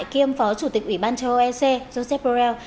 kiêm phó chủ tịch ủy ban châu âu ec joseph borrell